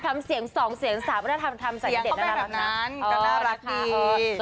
แม่งเนอะทำงานทั้งคู่